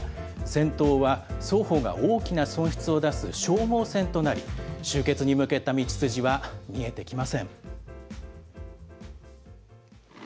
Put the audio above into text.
戦闘は双方が大きな損失を出す消耗戦となり、終結に向けた道筋は見えてきません。